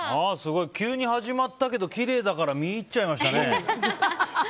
急に始まったけどきれいだから見入っちゃいましたね。